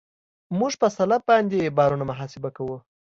موږ په سلب باندې بارونه محاسبه کوو